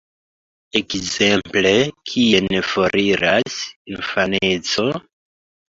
Ekzemple, "Kien foriras infaneco?